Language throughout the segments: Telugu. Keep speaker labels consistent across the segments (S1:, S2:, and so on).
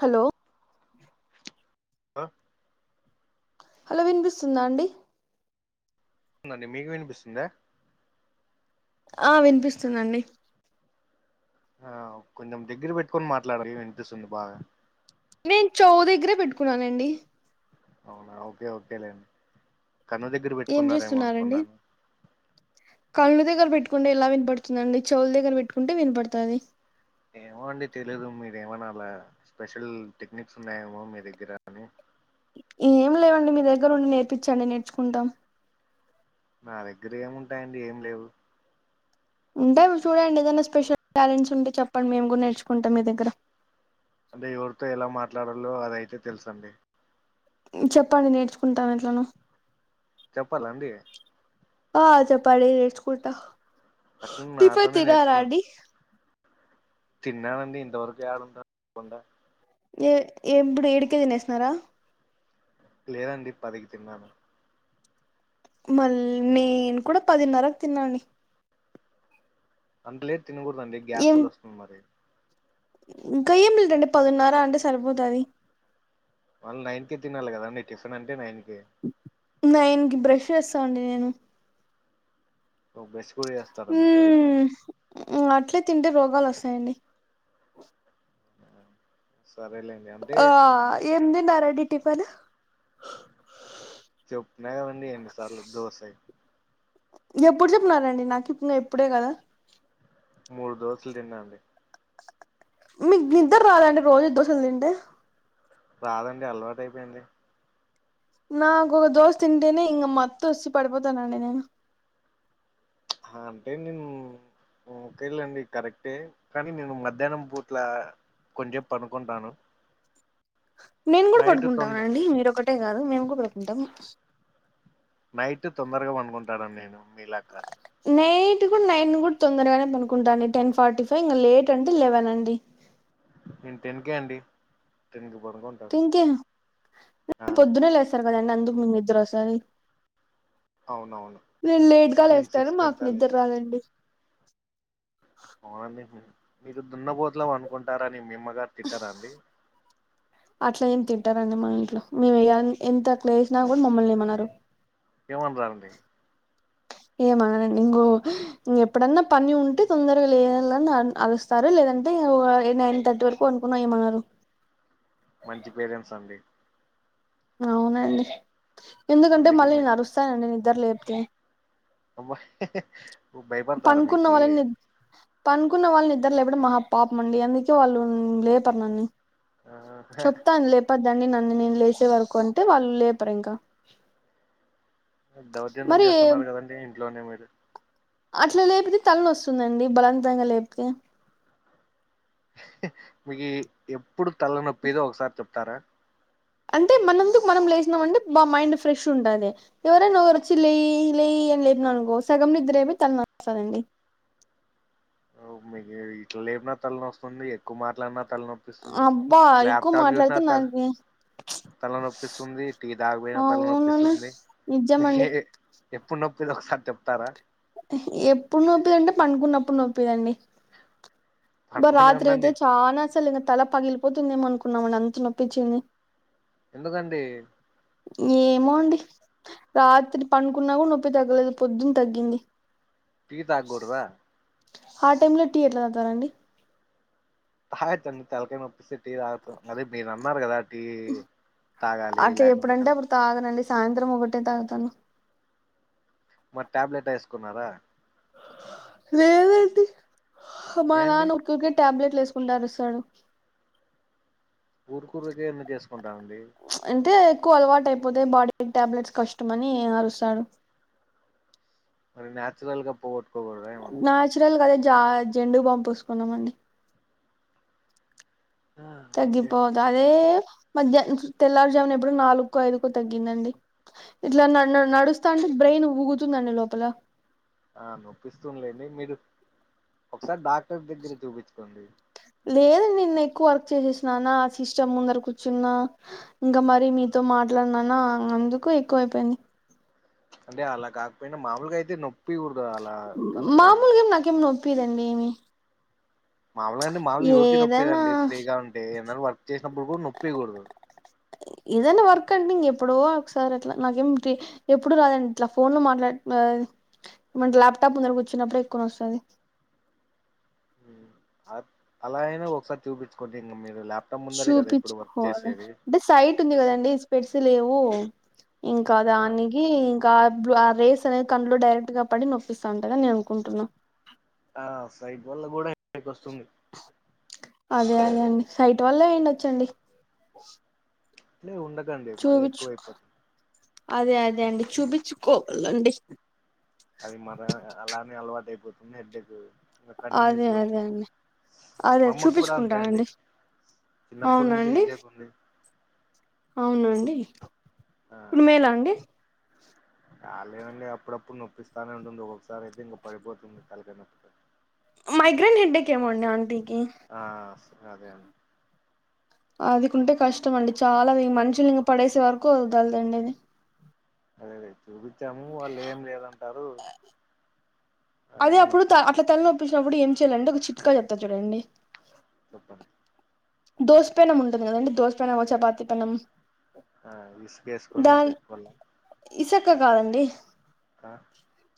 S1: హలో
S2: ఆ
S1: హలో వినిపిస్తుందా అండి
S2: స్తుందండి మీకు వినిపిస్తుందా
S1: ఆ వినిపిస్తుదండి
S2: ఆ కొంచెం దగ్గర పెట్టుకొని మాట్లాడలి వినిపిస్తుంది బాగా
S1: నేను చెవు దగ్గరే పెట్టుకున్నానండి
S2: అవునా ఒకే ఓకేలేండి కన్ను దగ్గర
S1: ఏం
S2: పెట్టుకున్నారేమో అనుకున్నాను
S1: కళ్ళుగ్గర పెట్టుంటే ఇలా వినపడుతుందండి చెవుల దగ్గర పెట్టుకుంటే వినపడతది
S2: ఏమో అండి తెలీయదు మీరేమైనా అలా స్పెషల్ టెక్నిక్స్ ఉన్నాయేమో మీ దగ్గర అని
S1: ఏమి లేవండి మీ దగ్గర ఉన్ని నేర్పించండి నేర్చుకుంటాం
S2: నా దగ్గర ఏముంటాయండి ఏం లేవు
S1: ఉంటా మీ చూడండి ఏదనా స్పెషల్ టాలెంట్స్ ఉంటే చెప్పండి మేము కూడా నేర్చుకుంటాం మీ దగ్గర
S2: అదే ఎవరితో ఎలా మాట్లాడాలో అదయితే తెలుసు అండి
S1: చెప్పండి నేర్చుకుంటాను ఎట్లనో
S2: చెప్పాల అండి
S1: ఆ చెప్పండి నేర్చుకుంట
S2: ఫస్ట్
S1: టిఫన్
S2: నాతోనే
S1: తిన్నారా
S2: నేర్చుకోండి
S1: అండి
S2: తిన్నానండి ఇంతవరకు యాడుంట ఉండను
S1: ఏ ఎప్పుడు ఏడుకే తినేసినార
S2: లేదండి పదికి తిన్నాను
S1: మళ్ళీ నేను కూడా పదిన్నరకు తిన్నాండి
S2: అంత లేటు తినకూడదండి
S1: ఏం
S2: గ్యాస్ట్రాల్ వస్తుంది మరి
S1: ఇంకా ఏం [inaudible] పదిన్నార అంటే సరిపోతది
S2: వాళ్ళు నైన్ కి తినాలి కదండి టిఫిన్ అంటే నైన్ కి
S1: నైన్కి బ్రష్ చేస్తాండి నేను
S2: ఓ బ్రష్ కూడా చేేస్తారా మీరు
S1: మ్మ్ అట్లే తింటే రోగాలు వస్తాయండి
S2: సరేలేండి అమ్
S1: ఆ ఏమితిన్నారు అండి టిఫెను
S2: చెప్న్నా కదండి ఎన్నిసార్లు దోసయి
S1: ఎప్పుడు చెప్పినారండి నాకు ఇప్నే ఇప్పుడే గదా
S2: మూడు దోసలు తిన్నాండి
S1: మీకు నిద్రరాదండి రోజు దోసలు తింటే
S2: రాదండి అలవాటయిపోయింది
S1: నాకు ఒక దోస్ తింటేనే ఇంగ మత్తు వచ్చి పడిపోతానండి నేను
S2: ఆ అంటే నేన్ ఓకెలెండి కరెక్టే కని నేను మధ్యాహ్నం పూట్ల కొంచేపు పనుకుంటాను
S1: నేన్గుడ
S2: నైట్ తొంద
S1: పడుకుంటాంనండి మీరొకటే గాదు మేము గుడ్ పడుకుంటం
S2: నైట్ తొందరగ వండుకున్కుంటాన నేను మీలాక్ కాదు
S1: నైట్ గుడ నైన్ గుడ తొందరగనె పనుకుంటాన్ టెన్ ఫార్టీ ఫైవ ఇంగ లేట్ అంటె లెవన్ అండి
S2: నేన్ టెన్కే అండి టెన్ కి పనుకుంట
S1: తింతిన్ [inaudible] పొద్దునే లేస్తార్ మిక్ కదండి అందుకు నిద్రోస్తది
S2: అవునవును
S1: మీర్ లేట్గా
S2: నేను
S1: లేస్తారు
S2: సిక్స్
S1: మాక్
S2: కంతా
S1: నిదర్
S2: లేస్తా
S1: రాదండి
S2: ఔనండి మీరు దున్నపోతుల పనుకుంటారని మిమ్మగారు తిట్టరాండి
S1: అట్ల ఏం తింట్టరండి మా ఇంట్లో మేము ఇయ్యల్ ఎంతకు లేసినా గుడ మమ్మల్నేమనరు
S2: ఏమన్రాండి
S1: ఏమనరండి ఇంగో ఎప్పుడన్న పని ఉంటె తొందరగ లేఅల్ అని అరుస్ సరె లేదంటే ఓ ఏ నైన్ థర్టీ వరకు వండునుకున్నా ఏమనరు
S2: మంచి పేరెంట్స్ అండి
S1: అవునండి ఎందుకంటె
S2: అందుకే
S1: మళ్ళీ
S2: మీ
S1: నేనరుస్తానండి నిద్దర్ లేప్తే
S2: హమ్మ ఓ భయపడతారా మికీ
S1: పన్కున్న వాళ్ళన్ నిద్దర్ లేపడం మహా పాప్మ్ండి అందుకే వాళ్ళు లేపర్ నన్ని
S2: ఆ
S1: చొప్తాను లేపద్దని నన్ను నేను లేశె వరకు అంటె వాళ్ళు లేపరింక
S2: దౌర్జన్యం
S1: మరి
S2: జేస్తన్నర్ గదండి ఇంట్లోనే మీరు
S1: అట్ల లేపితే తలనొసుందండి బలంతంగ లేప్తే
S2: మీ [unintelligible] ఎప్పుడు తల్లనొప్పిగ ఒసారి చెప్తారా
S1: అంటె మనొంతుగ్ మనం లేశినమంటే బ మైండ్ ఫ్రెష్ ఉంటది ఎవరైనోరు వచ్చి లెయి లెయి అని లేపనానుకో సగం నిద్రైపోయి తల నొస్తాదండి
S2: ఓ మిగీ ఇట్ల లేపినా తల్నో స్తుంది ఎక్కువ మాట్లాడిన తల్ననో ఇసుంది
S1: అబ్బా ఎక్కువ
S2: ల్యాప్టాప్ జూష్న
S1: మాట్లాడితే
S2: తల్
S1: నాకి
S2: తల నొప్పిస్తుంది టి తాగ పోయిన తల
S1: అవునన్న
S2: నొప్పిస్తుంది మిస
S1: నిజమండి
S2: [unintelligible] ఎప్పుడ్ నొప్పిదొ ఒకసారి చెప్తారా
S1: ఎప్పుడ్ నొప్పిదంటె పంన్కున్నప్పుడ్ నొప్పిదండి బ
S2: పనుకునే
S1: రాత్రైతే
S2: ఉండండి
S1: చానసలు ఇంగ తల పగిలిపోతుందేమో అనుకున్నామండి అంత నొప్పిచింది
S2: ఎందుగండి
S1: ఏమో అండి రాత్రి పనుకున్నగుడ నొప్పి తగ్గలేదు పొద్దున్ తగ్గింది
S2: టీ తాగ్గుడ్దా
S1: ఆ టైంలొ టీ ఎట్ల తాతరండి
S2: అహా తన్నీ తల్కాయ్ నొప్పిస్తే టీ తాగుతమ్ అదే మీరన్నార్ గదా టీ తాగాలి
S1: అట్లా
S2: లేకుంటే
S1: ఎప్పుడంటే
S2: తల్నొ
S1: అప్పుడు తాగనండి సాయింత్రం ఒకటే తాగుతను
S2: మరి ట్యాబ్లెట్ ఏస్కున్నారా
S1: లేదండి మా
S2: ఏండి
S1: నాన్న ఉకుకె టాబ్లెట్లేసుకుంటరుస్తాడు
S2: ఊర్కూరికే ఎందుకేసుకుంటరండి
S1: ఇచ్ అంటే ఎక్కువలవాటైపోతె బాడీ కి టాబ్లెట్స్ కష్టంని అరుస్తాడు
S2: మరి న్యాచురల్గ పోగొట్గోగుడదా
S1: నాచురల్గ అయితే జా జెండు బాంబ్ పూసుకున్నానండీ
S2: ఆ ఓకే
S1: తగ్గిపోత్ అదే మధ్యాహ తెల్లారుజామున ఎప్పుడో నాలుకో ఐదుకో తగ్గిందండి ఇట్లా న న నడుస్తాంటే బ్రెయిన్ ఊగుతుందండి లోపల
S2: ఆ నొప్పిస్తుంద్లేండి మీరు ఒకసారి డాక్టర్ దగ్గర చూపించుకోండి
S1: లేదండి నెన్ ఎక్కువర్క్ చేశేశ్న నా సిస్టమ్ ముందర కుర్చున్నా ఇంకా మరి మీతో మాట్లాడిననా అందుకు ఎక్కువ అయిపోయింది
S2: అంటే అలా కాకపోయినా మామూలుగా అయితే నొప్పి కూడదు అలా తలకాయ
S1: నాకేమీ నో పి దండి ఏమి
S2: మాములుగా అండి మాములు ఎవరికి
S1: ఏదైనా
S2: నొప్పేదండి ఫ్రీగా ఉంటే ఏందరు వర్క్ చేసినప్పుడు కూడా నొప్పేయకూడదు
S1: ఎదైనా వర్క్ అండి ఇ ఎప్పుడో ఒకసారి అట్లా నాకేం ఎప్పుడు రాదండి ఇట్లా ఫోన్ లో మాట్లా మది ల్యాప్ టాప్ ముందర కూర్చున్నపుడు వచ్చినప్పుడే ఎక్కువన నొస్తది
S2: ఆ అలాగైనా ఒకసారి చూపించ్చుకోండి ఇన్ మీరు ల్యాప్
S1: చూపించుకోవాలి అంటే సైట్ ఉంది కదండి స్పెట్స్ లేవు ఇంకా దానికి ఇంక్ ఆ రేస్ అనేది కళ్ళు డైరెక్ట్ గా పడి నొప్పిస్తా ఉంటగాని నేను అనుకుంటున్నాను
S2: ఆ సైట్ వల్ల కూడా హెడ్ ఎక్ వస్తుంది
S1: అదే అదే అండి సైట్ వల్ల అయి ఉండొచ్చండి
S2: అట్లా ఉండకండి మరీ
S1: చూపించు
S2: ఎక్కువైపోతుంది
S1: అదే అదే అండి చూపించుకోవలండి
S2: అది మర అలానే అలవాటు అయిపోతుంది హెడ్ ఎక్ కంటిన్యూస్
S1: అదే
S2: గా
S1: అదే
S2: వస్తుంది
S1: అండి అదే
S2: మా అమ్మ కూడా అంతే అండి
S1: చూపించుకుంటానండి
S2: చిన్నప్పుటి నుంచే
S1: అవునండి
S2: హెడ్ ఎక్ ఉంది
S1: అవునండి ఇప్పుడు మేలాండి
S2: ఆ లేదు అండి అప్పుడప్పుడు నొప్పిస్తానే ఉంటుంది ఒక్కొక్క సారి అయితే ఇంకా పడిపోతుంది తలకాయ నొప్పి అని
S1: మైగ్రైన్ హెడ్ ఎక్ ఎమో అండి అంటీకి
S2: ఆ స అదే అండి
S1: అదికుంటే కష్టంమండి చాలా మనషులన్ని ఇంక పడేసే వరకు వదలదండి అది
S2: అదే అదే చూపించాము వాళ్ళు ఏం లేదంటారు
S1: అదే
S2: అయినా
S1: అప్పుడు త అట్లా
S2: నొప్పిస్తుంది
S1: తల నోప్పించినప్పుడు ఏం చేయాలండి ఒక చిట్ కా చెప్తా చూడండి
S2: చెప్పండి.
S1: దోస పెనం ఉంటది కదండి దోస్ పెనం ఒక చపాతి పెనం
S2: ఆ ఇసుకేసుకొని
S1: దాన్
S2: పెట్టుకోల
S1: ఇసక కాదండి
S2: హ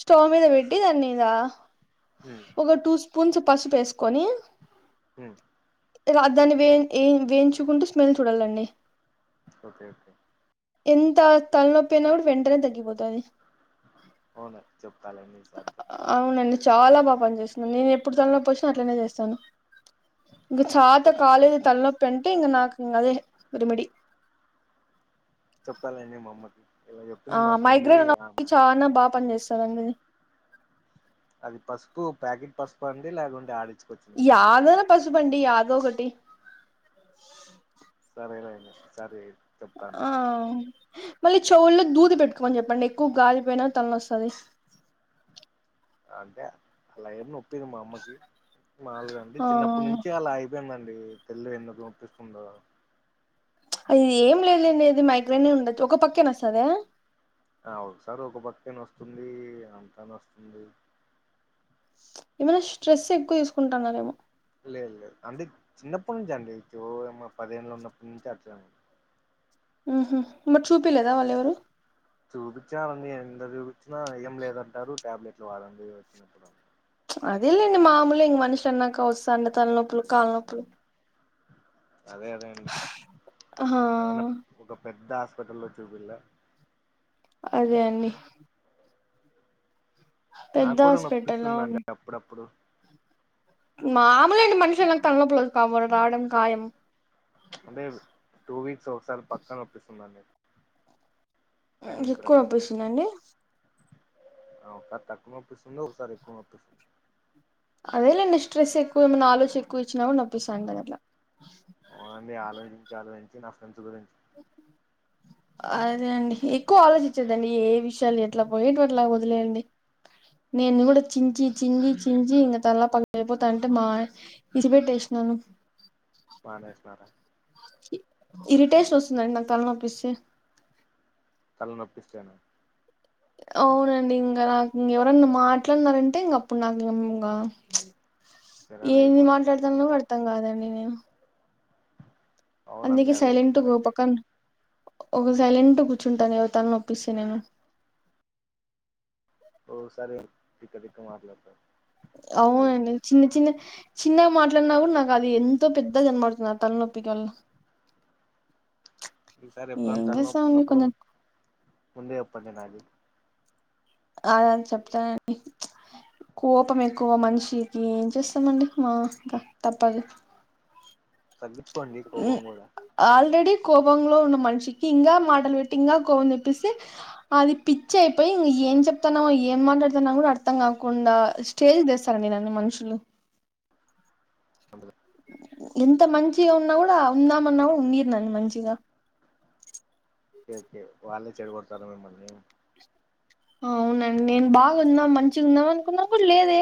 S1: స్టోవ్ మీద పెట్టి దాన్ని ఇగ
S2: హుమ్
S1: ఒక టూ స్పూన్స్ పసుపు ఎసుకొని.
S2: హమ్
S1: రాద్దాని వె ఏ వేయించుకుంటూ స్మెల్ చూడలండి
S2: ఓకే ఓకే.
S1: ఎంత తలనొప్పి అయినా కూడా వెంటనే తగ్గిపోతది
S2: ఆవునా చెపుతాలే అండి ఈసారి వచ్చినప్పుడు
S1: అవునండి చాలా బాగా పనిచేస్తుంది నేను ఎప్పుడు తల నొప్పి వచ్చినా అట్లనే చేస్తాను. ఇంగా చాత
S2: చెప్తాను
S1: కాలేదు తల్ల నొప్పి అంటే ఇంక నాకు అదే రేమిడి.
S2: చెప్పాతాలేండి మా అమ్మకి ఇలా
S1: ఆ
S2: చెప్పింది మా ఫ్రెండ్
S1: మైగ్రేన్ నొప్పికి
S2: ఆమె
S1: చానా బాగా పని చేస్తాదండి
S2: అది పసుపు ప్యాకెట్ పసుపు అండి లేకుంటే ఆడించుకోచ్చి
S1: యాదోనా పసుపు అండి యాదో ఒకటి
S2: సరే లేండి ఈసారి
S1: ఆ మళ్ళీ చెవుల్లో దూది పెట్టుకోమని చెప్పండి ఎక్కువ గాలిపోయినా తల నోస్తాధి
S2: అంతే అలా ఏం నొప్పిదు మా అమ్మకి మాల్ అంటే
S1: ఆ
S2: చిన్నప్పనుంచి అలా య్ ఇందండి [unintelligible]
S1: అది ఏం లె లేండి ఇది మైగ్రైన్ ఉండచ్చు ఒక పక్కే నొస్తదా
S2: అ ఒకసారి ఒగ పక్కెనొస్తుంది అంతనస్తుంది
S1: ఏమన్నా స్ట్రెస్ ఎక్కువ తీసుకుంటన్నరేమో
S2: లేద్ లేద్ అండి చిన్నప్పటినుంచి అండిఒ యమ్మ పదిదెండ్లు ఉన్నప్పటి నుంచి అట్లే
S1: ఉహు మరి చూపిలేదా వాళ్ళేవరు
S2: చూపించవండి ఎంత చూపించినా ఏం లేదంటారు టాబ్లెట్లు వాళండి వచ్చినప్పుడు
S1: అదేలేండి మామూలె ఇగ మనిషి అన్నాక వస్తాండె తల్నొప్పులు కాళ్నొప్పులు
S2: అదే అదే అండి
S1: ఆ
S2: ఏమన్న ఒక పెద్ద హాస్పిటల్ లో చూపిల్ల
S1: అదే అన్ని
S2: నా
S1: పెద్ద
S2: కూడా నొప్పిస్తుంది
S1: హాస్పిటలా
S2: అండి అప్పుడప్పుడు
S1: మాములే అండి మనుషులన్నా తలనొప్పులు కబోలు రావడం ఖాయం
S2: అంటే టూ వీక్స్ ఒకసారి పక్క నొప్పిస్తుందండి టైమింగ్
S1: ఎక్కువ
S2: ప్రకారం
S1: నొప్పిస్తుందండి
S2: ఆ ఒక్కసారి తక్కువ నొప్పి ఇస్త్ంది ఒక్కసారి ఎక్కువ నొప్పి ఇస్
S1: అదేలేండి స్ట్రెస్ ఎక్కువ ఏమన్న ఆలోచి ఎక్కువ ఇచ్చిన్నొప్పిస్తాంటది అట్ల
S2: అవునండి ఆలోచించి ఆలోచించి నా ఫ్రెండ్స్ గురించి
S1: అదే అండి ఎక్కువ ఆలోచించదండి ఏ విషయాలు ఎట్లా పోయేటవట్లా వదిలేయండి నేను కూడా చించి చింజి చించి ఇంగ తల్ల పగిలిపోతాంటే మా ఇశి పెట్టేష్నను
S2: బానేష్ణారా
S1: ఇ ఇరిటేషన్ వస్తుందండి నాక్ తలనొప్పిసె
S2: తల్నొప్పిస్తెన
S1: అవునండి ఇంగా నాక్ ఇంగేవరన్నా మాట్లానరంటే ఇంగా అప్పుడు నాక్ ఇం ఇంగా ఏంది
S2: చెరరేగిపోతారా
S1: మాట్లాడుతాన్నో అర్థం కాదండి నేము
S2: అవునండి
S1: అందుకే
S2: అదైతే
S1: సైలెంట్గ ఒ
S2: కరెక్టే
S1: పక్కన్ ఒగ సైలెంట్ కూర్చుంటా తలనొప్పిస్తే నేను
S2: ఓ గో సారి తిక్క తిక్క మాట్లాడతారు తిక్కలుగా
S1: అవ్నండి చిన్న చిన్న చిన్నగా మాట్లాడిన కూడా నాకు అది ఎంతో పెద్ద గా వినపడుత అ తలనొప్పికి వల్ల
S2: కః ఈసారి
S1: ఏం
S2: ఎప్పుడన్న తలనొప్పి
S1: చేస్తామండి
S2: వున్నప్పుడు
S1: కొంచెం
S2: ముందే చెప్పండి నాది
S1: అ దన్ చెప్తానండి కోపం ఎక్కువ మనిషికి ఏం చేస్తామండి మ ఇంకా తప్పదు
S2: తగ్గించుకోండి కోపం గుడా
S1: ఆల్రెడీ కోపంలో ఉన్న మనిషికి ఇంగా మాటలు పెట్టి ఇంగా కోపం తెప్పిస్తే అది పిచ్చయిపోయి ఇంగా ఏం చెప్తాన్నామో ఏం మాట్లాడుతున్నమో కూడ అర్థం కాకుండా చెయిజ్ చేస్తారండి నన్ని మనుషులు
S2: [inaudible]
S1: ఎంత మంచిగా ఉన్నా కూడా ఉందామన్నా ఉన్నియర్ నన్ని మంచిగా
S2: ఒకె ఒకె వాళ్ళే చెడకొడతార మిమ్మల్ని
S1: అవునండి నేను బాగుందా మంచిగా ఉందాం అనుకున్నా కూడా లేదే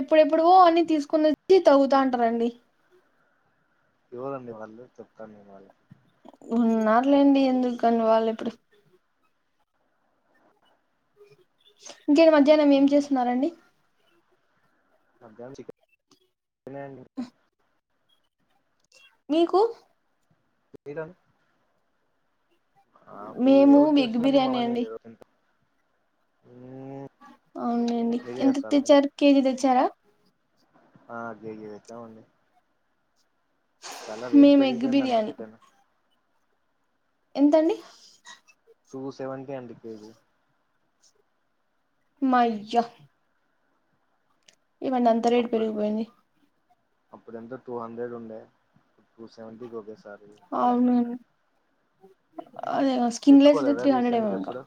S1: ఎప్పుడెప్పుడువో అన్ని తీసుకుని వచ్చి తోవ్వుతంటారండి
S2: ఎవరండి వాళ్ళు చెప్తాన్ నేన్ వాళ్ళకి
S1: ఉన్నార్లేండి ఎందుకని వాళ్ళు ఇప్పుడు ఇంకెనా మధ్యాహ్నం ఏం చేస్తున్నరండి
S2: మధ్యాహ్నం చికెన్ ఏ వొండిన అండీ ఇగ
S1: మీకు
S2: ఇడను నాకు
S1: మేము
S2: ఎవరు తెలుసు
S1: ఎగ్
S2: అండి
S1: బిర్యానీ
S2: మమ్మల్ని ఊ
S1: అవును లెండి ఎంత తెచ్చారు కేజీ తెచ్చారా
S2: ఆ కేజీ తెచ్చామండి చాలా రేట్
S1: మేము ఎగ్
S2: పెరిగిపోయింది అండి
S1: బిర్యానీ
S2: చికను
S1: ఎంతండి
S2: టు సెవంటి అండీ కేజీ
S1: మయ్యా ఎమండి అంతా రేటు పెరిగిపోయింది.
S2: అప్పుడు ఎంత టూ హండ్రెడ్ ఉండే ఇప్పు టూ సెవెంటీకి ఓకే ఎస్
S1: అవును అదే ఆ స్కిన్లెస్ దే
S2: తెచ్చుకోలేదా
S1: త్రీ హండ్రెడెమో
S2: రీసెంట్గా
S1: ఇంక
S2: ఎప్పుడు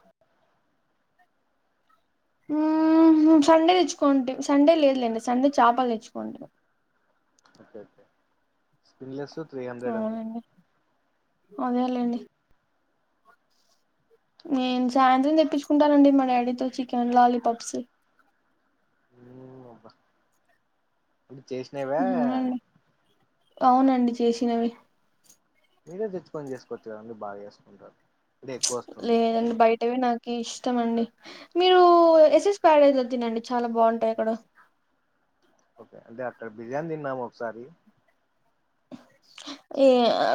S1: ఉహు సండే తెచ్చుకోండీ సండే లేదులేండి సండే చాపలు తెచ్చుకోండి
S2: okay okay skinless three hundred ఉంది.
S1: అవునండి అదేలేండి నేన్ సాయంత్రం తెప్పించుకుంటానండి మా డాడీతో చికెన్ లాలీపాప్స్ ఉ
S2: మ్మ్, అబ్బా. అంటే చేసినవే
S1: ఊ ఉ అవునండి చేసినవి
S2: మీరే తెచ్చుకొని చేసుకోవచ్చు కదండి బాగా చేసుకుంటారు అంటే ఎక్కువ వస్తుంది
S1: లేదండి బయటవే నాక్ కి ఇష్టమ్ అండి మీరూ ఎస్ఎస్ కాలేజ్ లొ తినండి చాలా బాగుంటయి అక్కడ
S2: ఓకే అంటే అక్కడ బిర్యానీ తిన్నాము ఒకసారి
S1: ఏ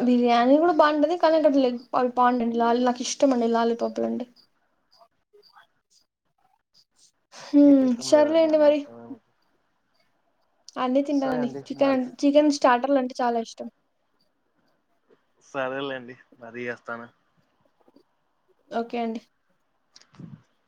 S1: బిర్యానీ కూడ బానే బాగుంటది కని కనటట్ లేదు అవి పాండ్ లాలీ నాకు ఇష్టమండి లాలీపప్లంటే హు
S2: ఏ ఇష్టం లేదండి
S1: సర్లేండి
S2: అన్ని
S1: మరి
S2: ఇష్టమే
S1: అన్నీ
S2: సరే
S1: తింటానండి
S2: అండి
S1: చికెన్
S2: మరి
S1: చికెన్ స్టార్టర్లు అంటే చాలా ఇష్టం
S2: సరేలేండి మరీ చేస్తాను
S1: ఓకే అండి
S2: హామ్